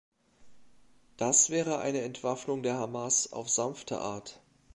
Das wäre eine Entwaffnung der Hamas auf sanfte Art.